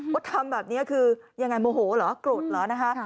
ทำแบบนี้คือยังไงโมโหเหรอโกรธเหรอนะคะ